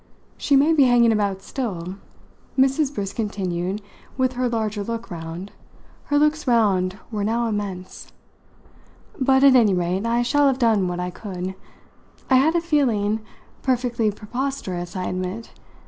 She may be hanging about still," Mrs. Briss continued, with her larger look round her looks round were now immense; "but at any rate I shall have done what I could. I had a feeling perfectly preposterous, I admit!